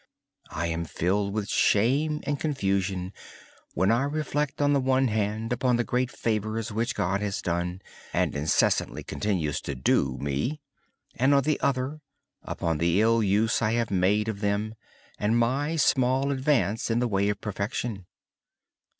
I am sometimes filled with shame and confusion when I reflect, on the one hand, upon the great favors which God has done and continues to do for me; and, on the other, upon the ill use I have made of them and my small advancement in the way of perfection.